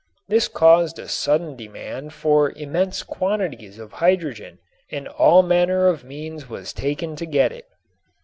This caused a sudden demand for immense quantities of hydrogen and all manner of means was taken to get it.